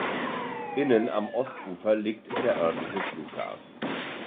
Innen am Ostufer liegt der örtliche Flughafen.